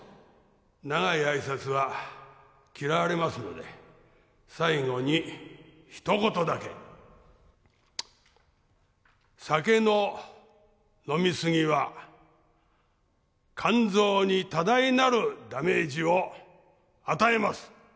長いあいさつは嫌われますので最後に一言だけ酒の飲みすぎは肝臓に多大なるダメージを与えます